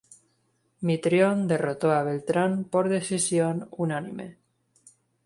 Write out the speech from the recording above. Mitrione derrotó a Beltrán por decisión unánime.